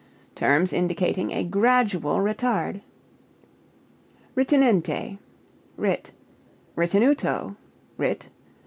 Terms indicating a gradual retard. Ritenente, (rit.), ritenuto (_rit.